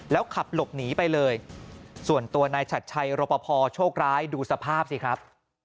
แล้วขับหลบหนีไปเลยส่วนตัวนายชัดชัยรปภโชคร้ายดูสภาพสิครับ